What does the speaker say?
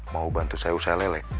mau bantu saya usaha lele